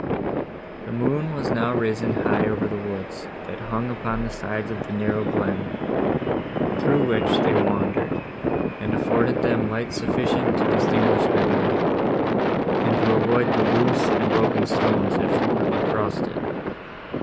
The moon was now risen high over the woods, that hung upon the sides of the narrow glen, through which they wandered, and afforded them light sufficient to distinguish their way, and to avoid the loose and broken stones, that frequently crossed it.